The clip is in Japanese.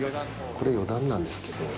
これ余談なんですけど。